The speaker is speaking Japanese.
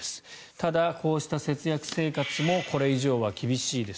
ただ、こうした節約生活もこれ以上は厳しいです。